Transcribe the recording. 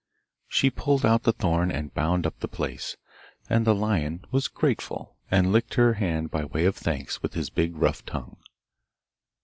She pulled out the thorn and bound up the place, and the lion was grateful, and licked her hand by way of thanks with his big rough tongue.